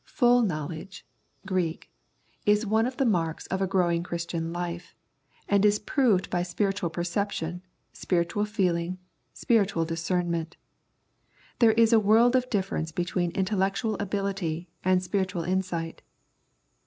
" Full knowledge " (Greek) is one of the marks of a growing Christian life, and is proved by spiritual perception, spiritual feeling, spiritual discernment. There is a world of difference between intellectual ability and spiritual insight.